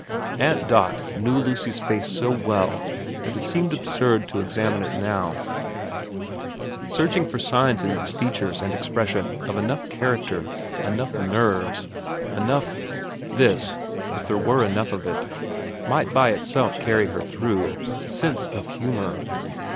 Aunt Dot knew Lucy's face so well that it seemed absurd to examine it now, searching for signs in its XXIX VERA 333 features and expression of enough character, enough nerves, enough this, if there were enough of it, might by itself carry her through sense of humour.